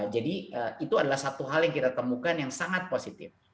jadi itu adalah satu hal yang kita temukan yang sangat positif